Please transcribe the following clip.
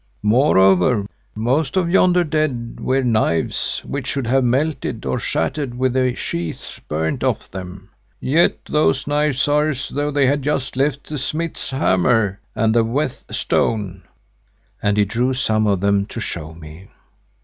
Moreover, most of yonder dead wear knives which should have melted or shattered with the sheaths burnt off them. Yet those knives are as though they had just left the smith's hammer and the whet stone," and he drew some of them to show me.